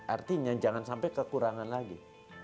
artinya jangan sampai kekurangan lagi